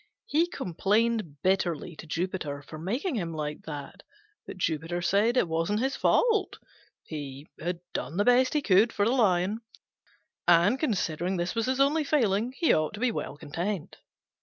He complained bitterly to Jupiter for making him like that; but Jupiter said it wasn't his fault: he had done the best he could for him, and, considering this was his only failing, he ought to be well content.